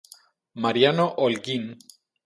Mariano Holguín.